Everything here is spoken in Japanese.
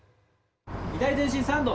左前進３度！